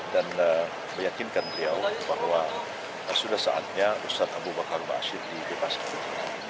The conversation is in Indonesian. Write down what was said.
dan meyakinkan dia bahwa sudah saatnya ustaz abu bakar ba'asyir dibebaskan